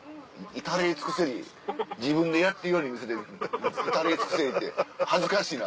至れり尽くせり自分でやってるように見せて至れり尽くせりって恥ずかしいな。